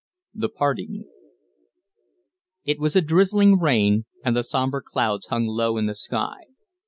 THE PARTING It was a drizzling rain, and the sombre clouds hung low in the sky.